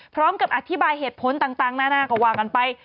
พร้อมกับอธิบายเหตุผลต่างนานาก็ว่ากันไป